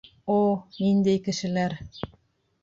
— О, ниндәй кешеләр!